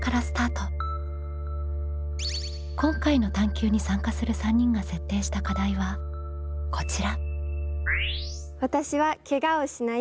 今回の探究に参加する３人が設定した課題はこちら。